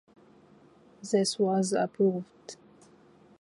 This was approved.